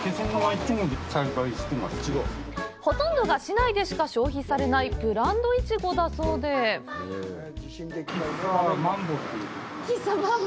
ほとんどが市内でしか消費されないブランドいちごだそうで喫茶マンボ？